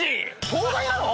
東大なの！？